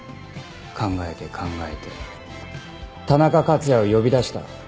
考えて考えて田中克也を呼び出した。